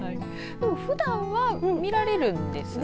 ふだんは見られるんですよね。